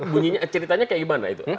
bunyinya ceritanya kayak gimana itu